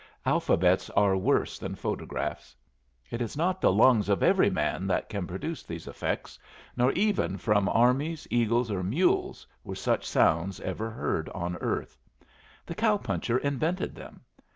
Alphabets are worse than photographs. It is not the lungs of every man that can produce these effects, nor even from armies, eagles, or mules were such sounds ever heard on earth. The cow puncher invented them.